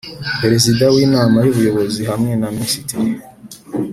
Perezida w Inama y Ubuyobozi hamwe na Minisitiri